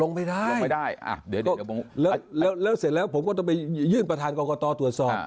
ลงไม่ได้ล้อเสร็จแล้วผมจะไปยื่นประทานกรกฎอตรวจสอบ